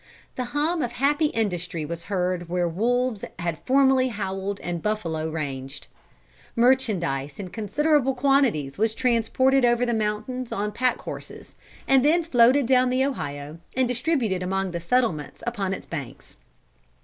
The hum of happy industry was heard where wolves had formerly howled and buffalo ranged. Merchandise in considerable quantities was transported over the mountains on pack horses, and then floated down the Ohio and distributed among the settlements upon its banks.